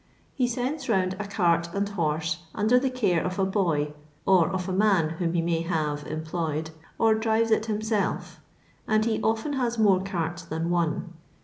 He sends round a cart and horse under the care of a boy, or of a man, whom he may have em ployed, or drives it himself, and he often has more carts than one.